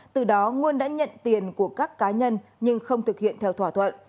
từ đó nguồn đã nhận tiền của các cá nhân nhưng không thực hiện theo thỏa thuận